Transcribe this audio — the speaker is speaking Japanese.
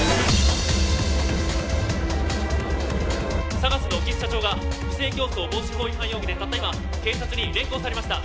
ＳＡＧＡＳの興津社長が不正競争防止法違反容疑でたった今警察に連行されました